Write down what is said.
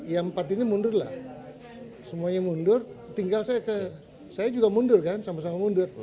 yang empat ini mundur lah semuanya mundur tinggal saya juga mundur kan sama sama mundur